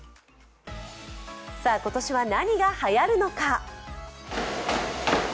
今年は何がはやるのか。